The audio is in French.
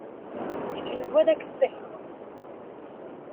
C’est une voie d’accès.